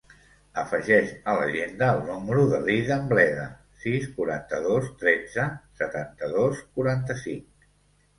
Afegeix a l'agenda el número de l'Eidan Bleda: sis, quaranta-dos, tretze, setanta-dos, quaranta-cinc.